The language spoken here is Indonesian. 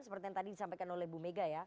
seperti yang tadi disampaikan oleh bu mega ya